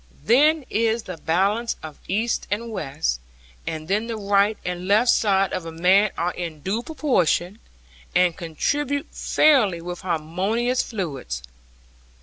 Then is the balance of east and west, and then the right and left side of a man are in due proportion, and contribute fairly with harmonious fluids.